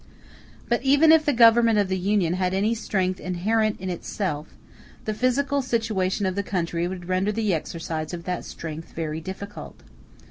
] But even if the Government of the Union had any strength inherent in itself, the physical situation of the country would render the exercise of that strength very difficult.